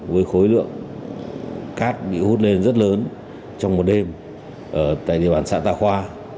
với khối lượng cát bị hút lên rất lớn trong một đêm tại địa bàn xã tà khoa